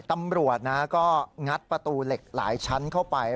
ตำรวจก็งัดประตูเหล็กหลายชั้นเข้าไป